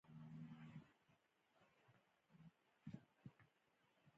نظري صیب د کباب په پخولو کې ماهر انسان و.